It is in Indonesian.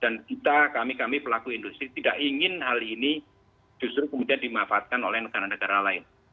dan kita kami kami pelaku industri tidak ingin hal ini justru kemudian dimanfaatkan oleh negara negara lain